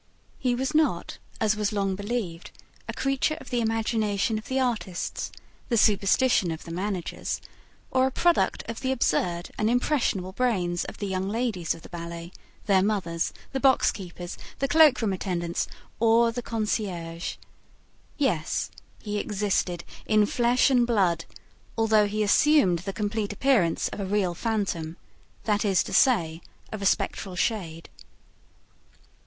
He was not, as was long believed, a creature of the imagination of the artists, the superstition of the managers, or a product of the absurd and impressionable brains of the young ladies of the ballet, their mothers, the box keepers, the cloak room attendants or the concierge. Yes, he existed in flesh and blood, although he assumed the complete appearance of a real phantom; that is to say, of a spectral shade.